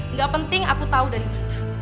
nggak penting aku tahu dari mana